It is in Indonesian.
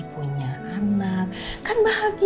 punya anak kan bahagia